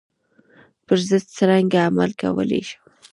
پر ضد څرنګه عمل کولای شم.